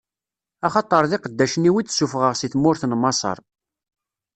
Axaṭer d iqeddacen-iw i d-ssufɣeɣ si tmurt n Maṣer.